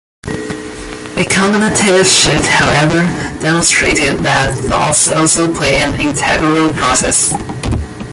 The cognitive shift however, demonstrated that thoughts also play an integral process.